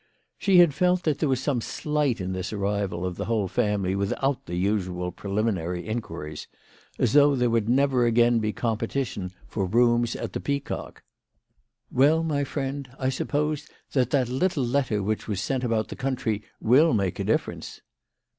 She had felt that there was some slight in this arrival of the whole family without the usual preliminary inquiries, as though there would never again be competition for rooms at the Peacock. 96 WHY FRAU FROHMANN RAISED HER PRICES. " "Well, my friend, I suppose that that little letter which was sent about the country will make a difference."